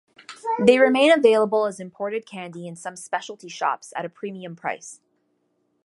They remain available as imported candy in some specialty shops at a premium price.